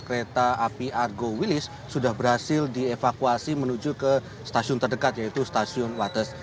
kereta api argo wilis sudah berhasil dievakuasi menuju ke stasiun terdekat yaitu stasiun wates